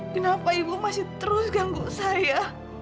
kenapa ibu masih terus ganggu saya